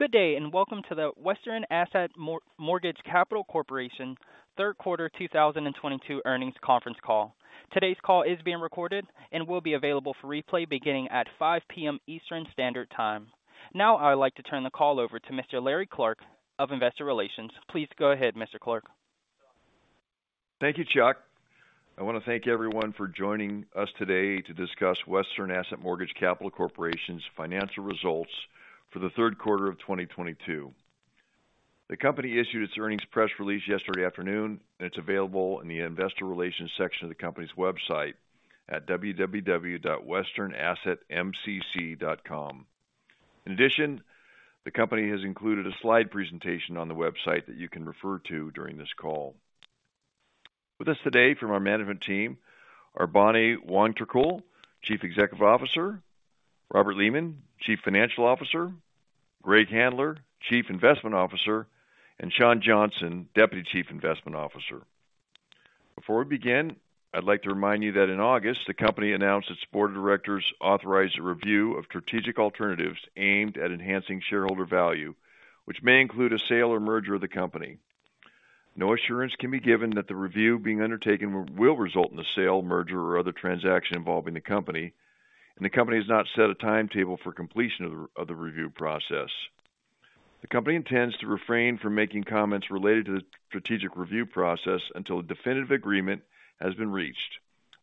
Good day, and welcome to the Western Asset Mortgage Capital Corporation Q3 2022 earnings conference call. Today's call is being recorded and will be available for replay beginning at 5 P.M. Eastern Standard Time. Now I would like to turn the call over to Mr. Larry Clark of Investor Relations. Please go ahead, Mr. Clark. Thank you, Chuck. I wanna thank everyone for joining us today to discuss Western Asset Mortgage Capital Corporation's financial results for the Q3 of 2022. The company issued its earnings press release yesterday afternoon. It's available in the investor relations section of the company's website at www.westernassetmcc.com. In addition, the company has included a slide presentation on the website that you can refer to during this call. With us today from our management team are Bonnie Wongtrakool, Chief Executive Officer, Robert W. Lehman, Chief Financial Officer, Greg Handler, Chief Investment Officer, and Sean Johnson, Deputy Chief Investment Officer. Before we begin, I'd like to remind you that in August, the company announced its board of directors authorized a review of strategic alternatives aimed at enhancing shareholder value, which may include a sale or merger of the company. No assurance can be given that the review being undertaken will result in a sale, merger, or other transaction involving the company, and the company has not set a timetable for completion of the review process. The company intends to refrain from making comments related to the strategic review process until a definitive agreement has been reached,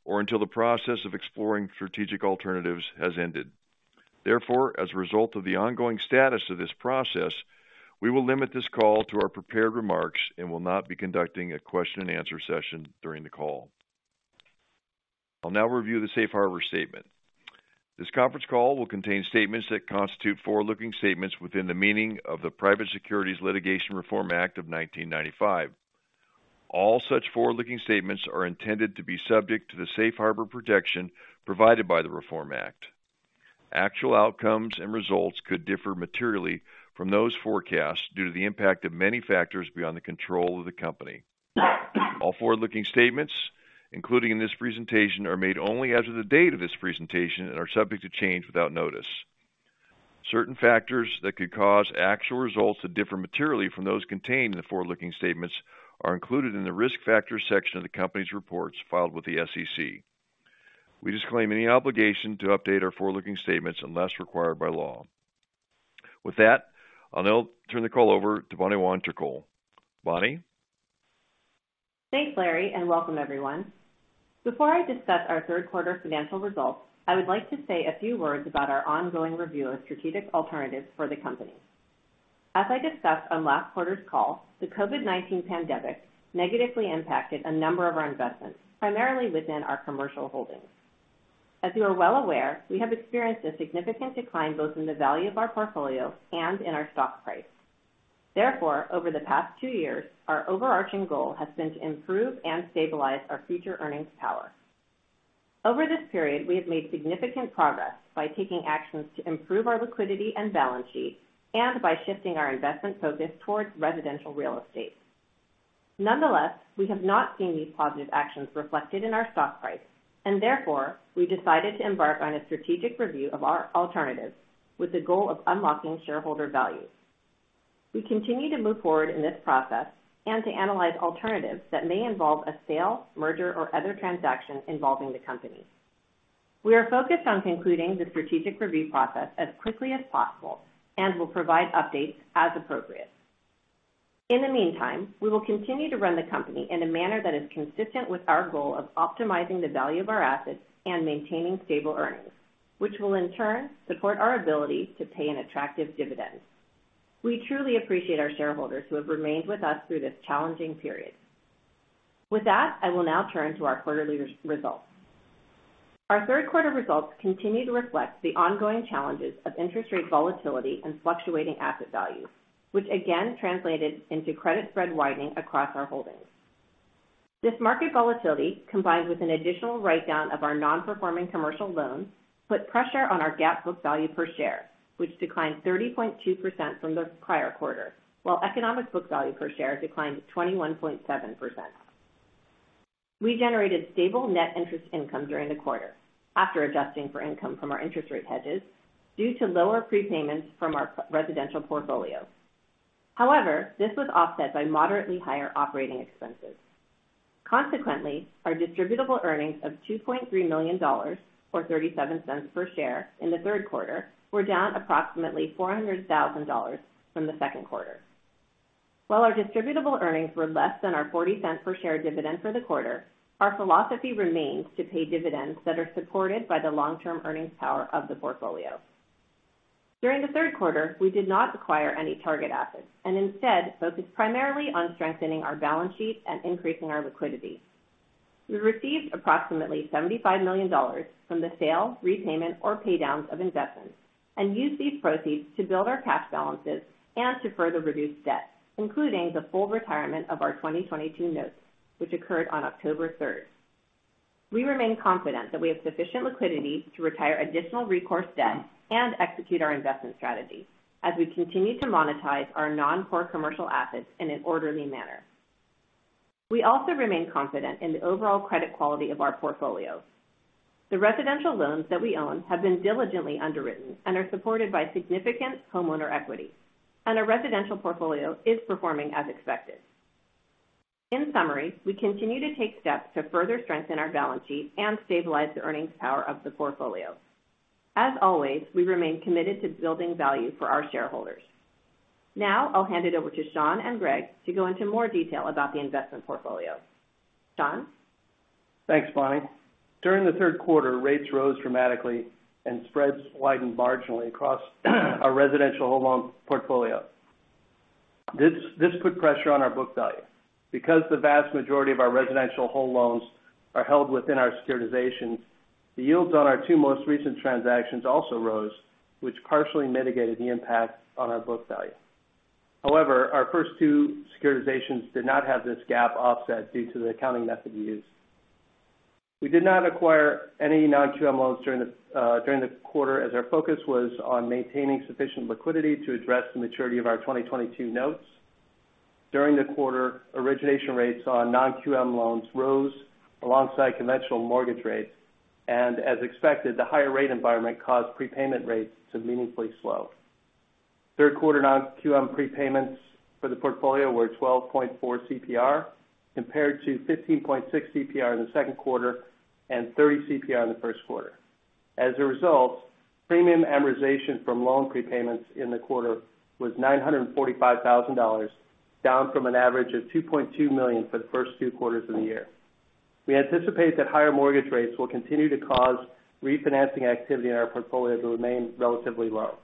or until the process of exploring strategic alternatives has ended. Therefore, as a result of the ongoing status of this process, we will limit this call to our prepared remarks and will not be conducting a Q&A session during the call. I'll now review the safe harbor statement. This conference call will contain statements that constitute forward-looking statements within the meaning of the Private Securities Litigation Reform Act of 1995. All such forward-looking statements are intended to be subject to the safe harbor protection provided by the Reform Act. Actual outcomes and results could differ materially from those forecasts due to the impact of many factors beyond the control of the company. All forward-looking statements included in this presentation are made only as of the date of this presentation and are subject to change without notice. Certain factors that could cause actual results to differ materially from those contained in the forward-looking statements are included in the Risk Factors section of the company's reports filed with the SEC. We disclaim any obligation to update our forward-looking statements unless required by law. With that, I'll now turn the call over to Bonnie Wongtrakool. Bonnie? Thanks, Larry, and welcome everyone. Before I discuss our Q3 financial results, I would like to say a few words about our ongoing review of strategic alternatives for the company. As I discussed on last quarter's call, the COVID-19 pandemic negatively impacted a number of our investments, primarily within our commercial holdings. As you are well aware, we have experienced a significant decline both in the value of our portfolio and in our stock price. Therefore, over the past 2 years, our overarching goal has been to improve and stabilize our future earnings power. Over this period, we have made significant progress by taking actions to improve our liquidity and balance sheet and by shifting our investment focus towards residential real estate. Nonetheless, we have not seen these positive actions reflected in our stock price, and therefore, we decided to embark on a strategic review of our alternatives with the goal of unlocking shareholder value. We continue to move forward in this process and to analyze alternatives that may involve a sale, merger, or other transaction involving the company. We are focused on concluding the strategic review process as quickly as possible and will provide updates as appropriate. In the meantime, we will continue to run the company in a manner that is consistent with our goal of optimizing the value of our assets and maintaining stable earnings, which will in turn support our ability to pay an attractive dividend. We truly appreciate our shareholders who have remained with us through this challenging period. With that, I will now turn to our quarterly results. Our Q3 results continue to reflect the ongoing challenges of interest rate volatility and fluctuating asset values, which again translated into credit spread widening across our holdings. This market volatility, combined with an additional write-down of our non-performing commercial loans, put pressure on our GAAP book value per share, which declined 30.2% from the prior quarter, while economic book value per share declined to 21.7%. We generated stable net interest income during the quarter, after adjusting for income from our interest rate hedges, due to lower prepayments from our residential portfolio. However, this was offset by moderately higher operating expenses. Consequently, our distributable earnings of $2.3 million, or $0.37 per share in the Q3, were down approximately $400,000 from the Q2. While our distributable earnings were less than our $0.40 per share dividend for the quarter, our philosophy remains to pay dividends that are supported by the long-term earnings power of the portfolio. During the Q3, we did not acquire any target assets and instead focused primarily on strengthening our balance sheet and increasing our liquidity. We received approximately $75 million from the sale, repayment, or paydowns of investments and used these proceeds to build our cash balances and to further reduce debt, including the full retirement of our 2022 notes, which occurred on October third. We remain confident that we have sufficient liquidity to retire additional recourse debt and execute our investment strategy as we continue to monetize our non-core commercial assets in an orderly manner. We also remain confident in the overall credit quality of our portfolios. The residential loans that we own have been diligently underwritten and are supported by significant homeowner equity, and our residential portfolio is performing as expected. In summary, we continue to take steps to further strengthen our balance sheet and stabilize the earnings power of the portfolio. As always, we remain committed to building value for our shareholders. Now, I'll hand it over to Sean and Greg to go into more detail about the investment portfolio. Sean? Thanks, Bonnie. During the Q3, rates rose dramatically and spreads widened marginally across our residential home loan portfolio. This put pressure on our book value. Because the vast majority of our residential home loans are held within our securitizations, the yields on our 2 most recent transactions also rose, which partially mitigated the impact on our book value. However, our first 2 securitizations did not have this gap offset due to the accounting method used. We did not acquire any non-QM loans during the quarter, as our focus was on maintaining sufficient liquidity to address the maturity of our 2022 notes. During the quarter, origination rates on non-QM loans rose alongside conventional mortgage rates. As expected, the higher rate environment caused prepayment rates to meaningfully slow. Q3 non-QM prepayments for the portfolio were 12.4 CPR, compared to 15.6 CPR in the Q2 and 30 CPR in the Q1. As a result, premium amortization from loan prepayments in the quarter was $945,000, down from an average of $2.2 million for the first 2 quarters of the year. We anticipate that higher mortgage rates will continue to cause refinancing activity in our portfolio to remain relatively low.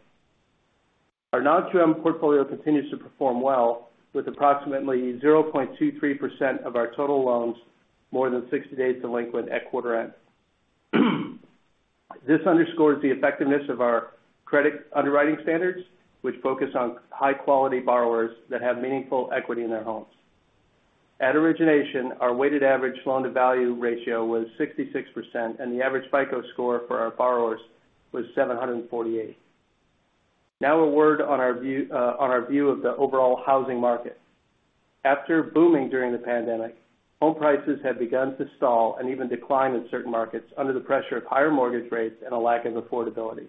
Our non-QM portfolio continues to perform well with approximately 0.23% of our total loans more than 60 days delinquent at quarter end. This underscores the effectiveness of our credit underwriting standards, which focus on high quality borrowers that have meaningful equity in their homes. At origination, our weighted average loan-to-value ratio was 66%, and the average FICO score for our borrowers was 748. Now a word on our view of the overall housing market. After booming during the pandemic, home prices have begun to stall and even decline in certain markets under the pressure of higher mortgage rates and a lack of affordability.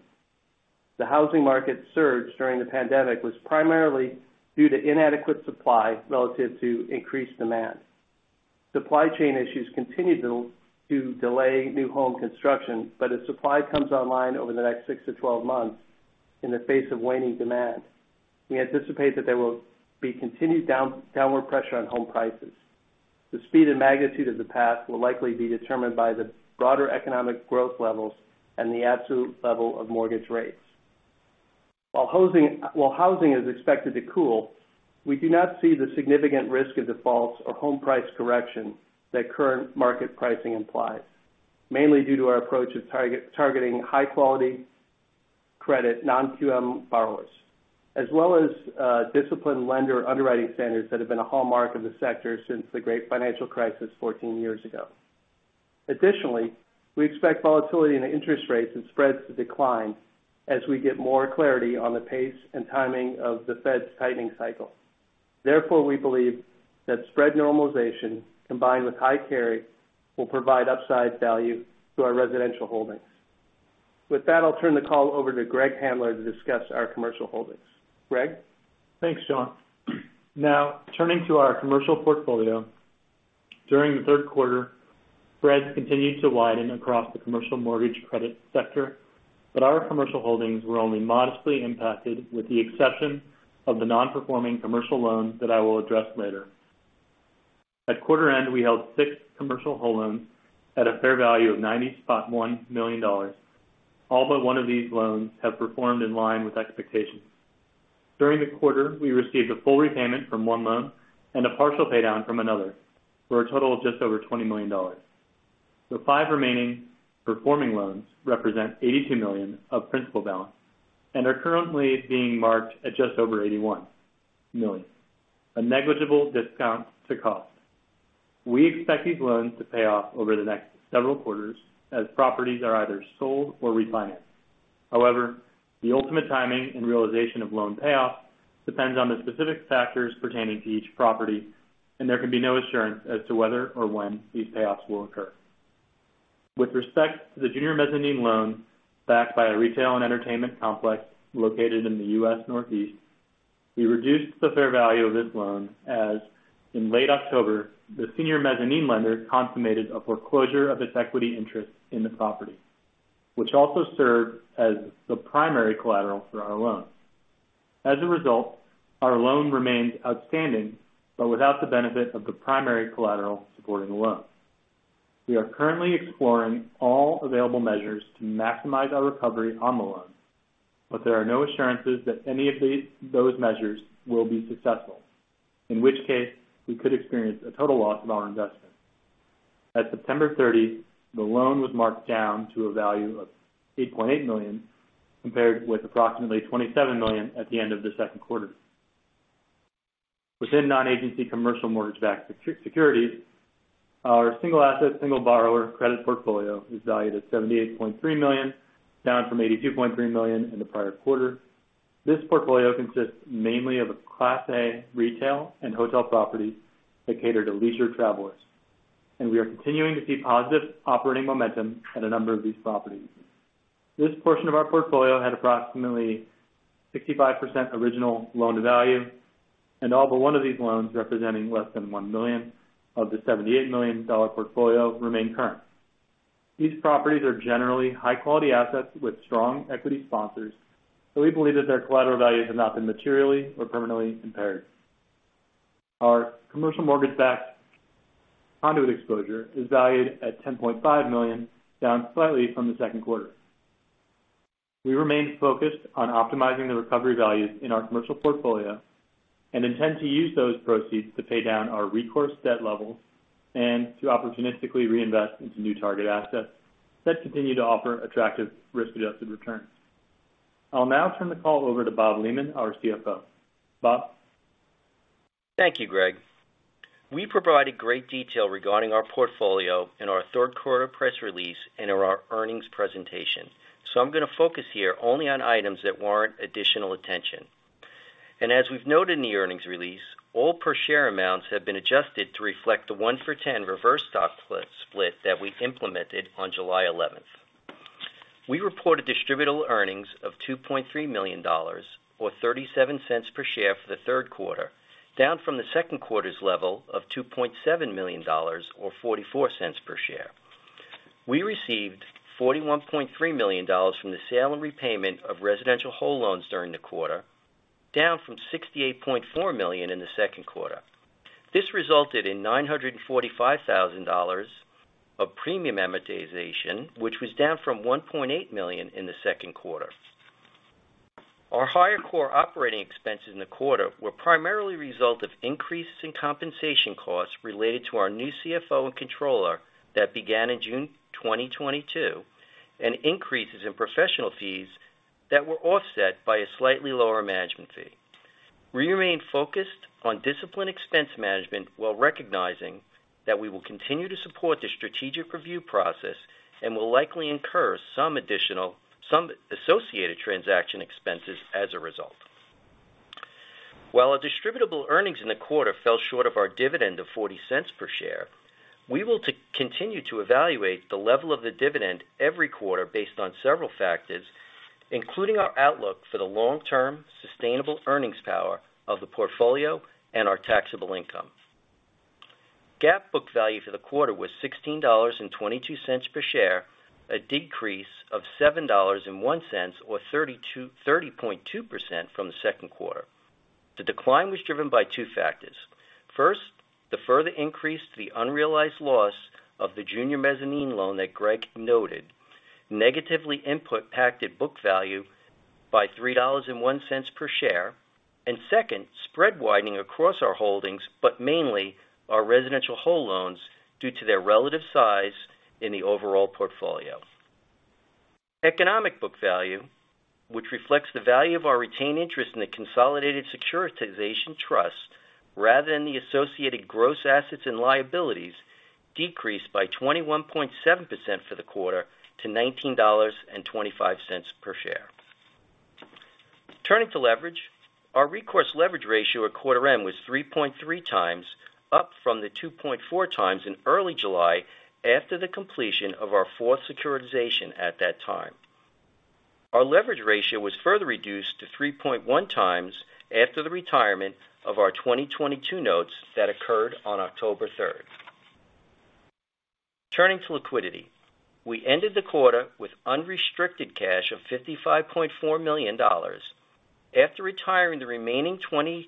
The housing market surge during the pandemic was primarily due to inadequate supply relative to increased demand. Supply chain issues continue to delay new home construction, but as supply comes online over the next 6 to 12 months in the face of waning demand, we anticipate that there will be continued downward pressure on home prices. The speed and magnitude of the path will likely be determined by the broader economic growth levels and the absolute level of mortgage rates. While housing is expected to cool, we do not see the significant risk of defaults or home price correction that current market pricing implies, mainly due to our approach of targeting high quality credit non-QM borrowers, as well as, disciplined lender underwriting standards that have been a hallmark of the sector since the great financial crisis 14 years ago. Additionally, we expect volatility in the interest rates and spreads to decline as we get more clarity on the pace and timing of the Fed's tightening cycle. Therefore, we believe that spread normalization combined with high carry will provide upside value to our residential holdings. With that, I'll turn the call over to Greg Handler to discuss our commercial holdings. Greg? Thanks, Sean. Now, turning to our commercial portfolio. During the Q3, spreads continued to widen across the commercial mortgage credit sector, but our commercial holdings were only modestly impacted, with the exception of the non-performing commercial loans that I will address later. At quarter end, we held 6 commercial whole loans at a fair value of $90.1 million. All but one of these loans have performed in line with expectations. During the quarter, we received a full repayment from one loan and a partial pay down from another, for a total of just over $20 million. The 5 remaining performing loans represent 82 million of principal balance and are currently being marked at just over $81 million, a negligible discount to cost. We expect these loans to pay off over the next several quarters as properties are either sold or refinanced. However, the ultimate timing and realization of loan payoff depends on the specific factors pertaining to each property, and there can be no assurance as to whether or when these payoffs will occur. With respect to the junior mezzanine loan backed by a retail and entertainment complex located in the U.S. Northeast, we reduced the fair value of this loan, as in late October, the senior mezzanine lender consummated a foreclosure of its equity interest in the property, which also served as the primary collateral for our loan. As a result, our loan remains outstanding, but without the benefit of the primary collateral supporting the loan. We are currently exploring all available measures to maximize our recovery on the loan, but there are no assurances that any of those measures will be successful, in which case we could experience a total loss of our investment. As of September 30, the loan was marked down to a value of $8.8 million, compared with approximately $27 million at the end of the Q2. Within non-agency commercial mortgage-backed securities. Our single asset, single borrower credit portfolio is valued at $78.3 million, down from $82.3 million in the prior quarter. This portfolio consists mainly of Class A retail and hotel properties that cater to leisure travelers, and we are continuing to see positive operating momentum at a number of these properties. This portion of our portfolio had approximately 65% original loan-to-value and all but one of these loans, representing less than $1 million of the $78 million portfolio remain current. These properties are generally high quality assets with strong equity sponsors, so we believe that their collateral values have not been materially or permanently impaired. Our Commercial Mortgage-Backed Security exposure is valued at $10.5 million, down slightly from the Q2. We remain focused on optimizing the recovery values in our commercial portfolio and intend to use those proceeds to pay down our recourse debt levels and to opportunistically reinvest into new target assets that continue to offer attractive risk-adjusted returns. I'll now turn the call over to Bob Lehman, our CFO. Bob? Thank you, Greg. We provided great detail regarding our portfolio in our Q3 press release and in our earnings presentation. I'm going to focus here only on items that warrant additional attention. As we've noted in the earnings release, all per share amounts have been adjusted to reflect the 1-for-10 reverse stock split that we implemented on July 11th. We reported distributable earnings of $2.3 million, or $0.37 per share for the Q3, down from the Q2's level of $2.7 million or $0.44 per share. We received $41.3 million from the sale and repayment of residential whole loans during the quarter, down from $68.4 million in the Q2. This resulted in $945,000 of premium amortization, which was down from $1.8 million in the Q2. Our higher core operating expenses in the quarter were primarily a result of increases in compensation costs related to our new CFO and controller that began in June 2022, and increases in professional fees that were offset by a slightly lower management fee. We remain focused on disciplined expense management while recognizing that we will continue to support the strategic review process and will likely incur some associated transaction expenses as a result. While our distributable earnings in the quarter fell short of our dividend of $0.40 per share, we will continue to evaluate the level of the dividend every quarter based on several factors, including our outlook for the long-term sustainable earnings power of the portfolio and our taxable income. GAAP book value for the quarter was $16.22 per share, a decrease of $7.01, or 30.2% from the Q2. The decline was driven by 2 factors. First, the further increase to the unrealized loss of the junior mezzanine loan that Greg noted negatively impacted book value by $3.01 per share. Second, spread widening across our holdings, but mainly our residential whole loans due to their relative size in the overall portfolio. Economic book value, which reflects the value of our retained interest in the consolidated securitization trust rather than the associated gross assets and liabilities, decreased by 21.7% for the quarter to $19.25 per share. Turning to leverage, our recourse leverage ratio at quarter end was 3.3 times, up from the 2.4 times in early July after the completion of our fourth securitization at that time. Our leverage ratio was further reduced to 3.1 times after the retirement of our 2022 notes that occurred on October 3rd. Turning to liquidity, we ended the quarter with unrestricted cash of $55.4 million. After retiring the remaining $26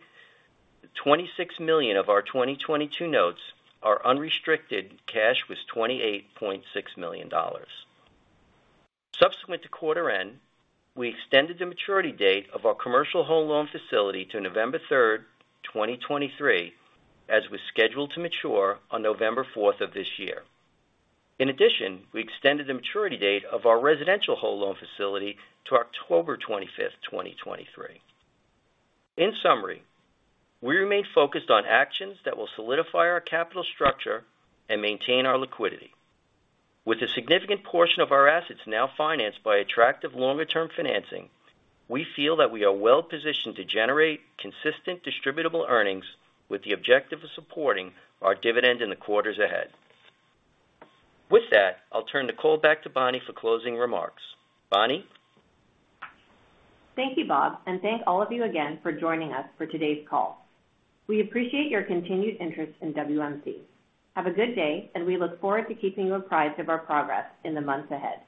million of our 2022 notes, our unrestricted cash was $28.6 million. Subsequent to quarter end, we extended the maturity date of our commercial whole loan facility to November 3rd, 2023, as was scheduled to mature on November 4th of this year. In addition, we extended the maturity date of our residential whole loan facility to October 25th, 2023. In summary, we remain focused on actions that will solidify our capital structure and maintain our liquidity. With a significant portion of our assets now financed by attractive longer-term financing, we feel that we are well positioned to generate consistent distributable earnings with the objective of supporting our dividend in the quarters ahead. With that, I'll turn the call back to Bonnie for closing remarks. Bonnie? Thank you, Bob, and thank all of you again for joining us for today's call. We appreciate your continued interest in WMC. Have a good day and we look forward to keeping you apprised of our progress in the months ahead.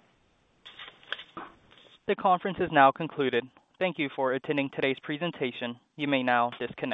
The conference is now concluded. Thank you for attending today's presentation. You may now disconnect.